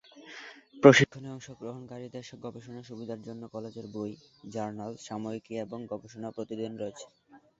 প্রশিক্ষণে অংশগ্রহণকারীদের গবেষণা সুবিধার জন্য কলেজের বই, জার্নাল, সাময়িকী এবং গবেষণা প্রতিবেদন রয়েছে।